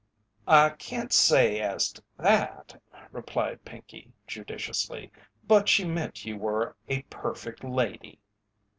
"I can't say as to that," replied Pinkey, judicially, "but she meant you were a 'perfect lady'."